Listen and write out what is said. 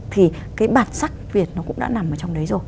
thì cái bản sắc việt nó cũng đã nằm ở trong đấy rồi